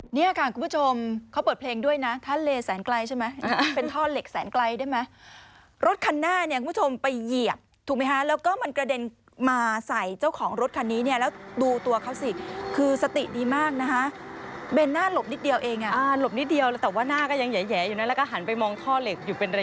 เนี่ยค่ะคุณผู้ชมเขาเปิดเพลงด้วยนะท่าเลแสนไกลใช่ไหมเป็นท่อเหล็กแสนไกลได้ไหมรถคันหน้าเนี่ยคุณผู้ชมไปเหยียบถูกไหมคะแล้วก็มันกระเด็นมาใส่เจ้าของรถคันนี้เนี่ยแล้วดูตัวเขาสิคือสติดีมากนะคะเบนหน้าหลบนิดเดียวเองอ่ะอ่าหลบนิดเดียวแล้วแต่ว่าหน้าก็ยังแห่อยู่นะแล้วก็หันไปมองท่อเหล็กอยู่เป็นระ